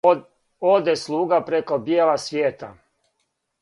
Оде слуга преко б'јела св'јета,